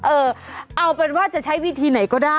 เออเอาเป็นว่าจะใช้วิธีไหนก็ได้